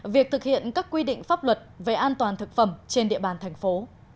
việc thực hiện các quy định pháp luật về an toàn thực phẩm trên địa bàn thành phố